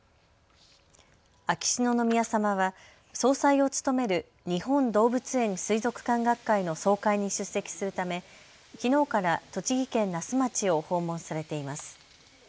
秋篠宮さまは総裁を務める日本動物園水族館協会の総会に出席するため、きのうから栃木県那須町を訪問されています。